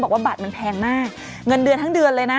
บอกว่าบัตรมันแพงมากเงินเดือนทั้งเดือนเลยนะ